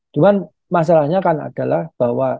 cuman masalahnya kan adalah bahwa